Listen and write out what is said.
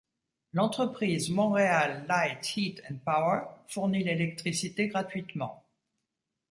L'entreprise Montreal Light, Heat and Power fournit l’électricité gratuitement.